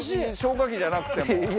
別に消火器じゃなくても。